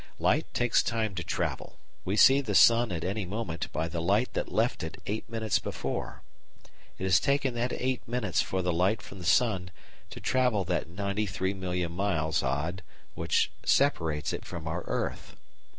Light takes time to travel. We see the sun at any moment by the light that left it 8 minutes before. It has taken that 8 minutes for the light from the sun to travel that 93,000,000 miles odd which separates it from our earth.